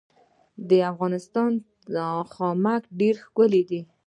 د افغانستان خامک ډیر ښکلی دی